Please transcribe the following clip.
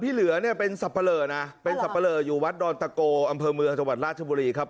พี่เหลือเป็นสับประเรออยู่วัดดอนตะโกอำเพลิงเมืองจังหวัดราชบุรีครับ